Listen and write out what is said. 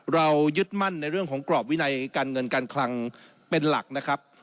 ยึดมั่นในเรื่องของกรอบวินัยการเงินการคลังเป็นหลักนะครับ